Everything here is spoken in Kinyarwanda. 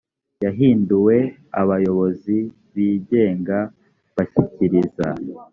yahinduwe abayobozi b ibigega bashyikiriza